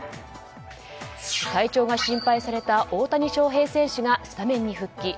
体調が心配された大谷翔平選手がスタメンに復帰。